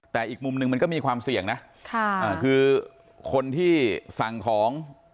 แต่อีกมุมหนึ่งมันก็มีความเสี่ยงนะค่ะอ่าคือคนที่สั่งของ